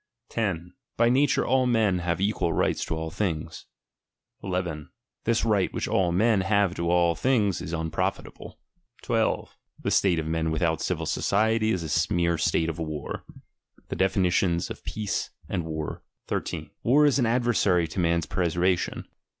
10. By nature *U men have equal right to all things. 11. This right which all men have to all things, is unprofitable. 12. Tiie state of •Hen without civil society, is a mere state of war : the defini tions of peace and war, 13. War is an adversary to man's preservation.